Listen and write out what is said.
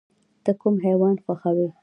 ته کوم حیوان خوښوې؟